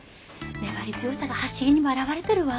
粘り強さが走りにも表れてるわ。